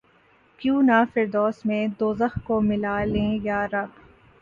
کیوں نہ فردوس میں دوزخ کو ملا لیں یارب!